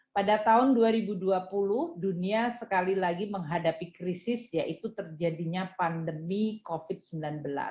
pada tahun dua ribu dua puluh dunia sekali lagi menghadapi krisis yaitu terjadinya pandemi covid sembilan belas